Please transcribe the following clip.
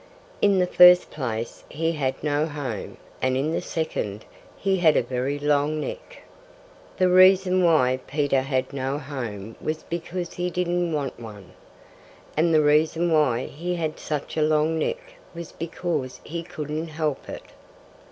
In the first place, he had no home; and in the second, he had a very long neck. The reason why Peter had no home was because he didn't want one. And the reason why he had such a long neck was because he couldn't help it.